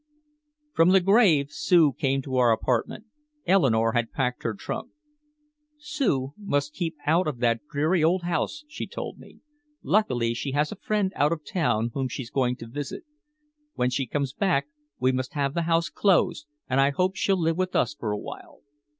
From the grave Sue came to our apartment. Eleanore had packed her trunk. "Sue must keep out of that dreary old house," she told me. "Luckily she has a friend out of town whom she's going to visit. When she comes back we must have the house closed, and I hope she'll live with us for a while."